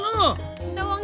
kita uang jajan kong